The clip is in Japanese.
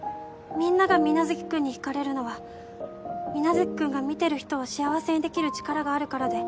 みんなが皆月君に引かれるのは皆月君が見てる人を幸せにできる力があるからで。